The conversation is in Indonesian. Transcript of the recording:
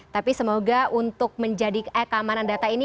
tapi semoga untuk menjadi keamanan data ini